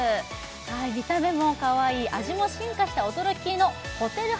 見た目もかわいい味も進化した驚きのホテル